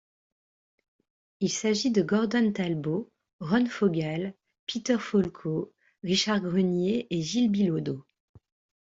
Il s’agit de Gordon Talbot, Ron Fogal, Peter Folco, Richard Grenier et Gilles Bilodeau.